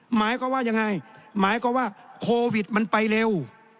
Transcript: หมายความว่ายังไงหมายความว่าโควิดมันไปเร็ว